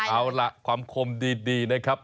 เอาล่ะความคมดีนะครับ